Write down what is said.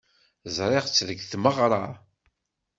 Ẓriɣ-tt deg tmeɣra.